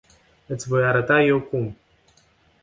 Iti voi arata eu cum.